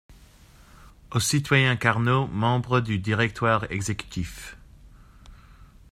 Au citoyen Carnot, membre du directoire exécutif.